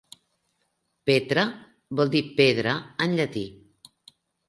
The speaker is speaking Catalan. "Petra" vol dir "pedra" en llatí.